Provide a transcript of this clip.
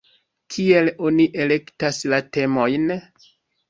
Kiel oni elektas la temojn?